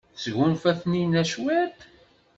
Tesgunfa Taninna cwiṭ?